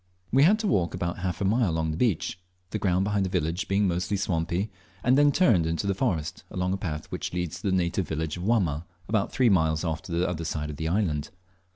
We had to walk about half a mile along the beach, the ground behind the village being mostly swampy, and then turned into the forest along a path which leads to the native village of Wamma, about three miles off on the other side of the island.